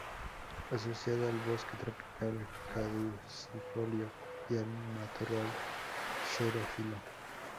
Asociada al bosque tropical caducifolio y al matorral xerófilo.